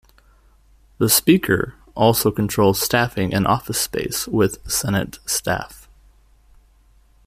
The Speaker also controls staffing and office space with Senate staff.